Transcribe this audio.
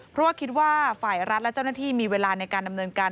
เพราะว่าคิดว่าฝ่ายรัฐและเจ้าหน้าที่มีเวลาในการดำเนินการ